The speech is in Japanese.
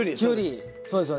そうですよね。